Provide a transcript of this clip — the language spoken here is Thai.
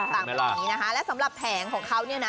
การค้นทัพแล้วสมหรับแผงของเขา